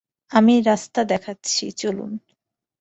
আমিই রাস্তা দেখাচ্ছি, চলুন।